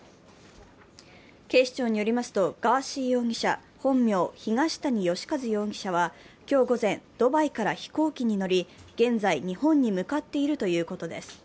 警視庁によりますと、ガーシー容疑者、本名・東谷義和容疑者は今日午前、ドバイから飛行機に乗り現在、日本に向かっているということです。